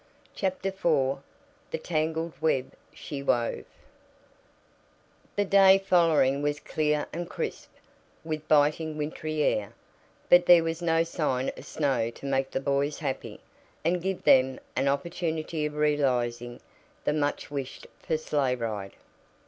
CHAPTER IV THE TANGLED WEB SHE WOVE The day following was clear and crisp, with biting, wintry air, but there was no sign of snow to make the boys happy, and give them an opportunity of realizing the much wished for sleigh ride.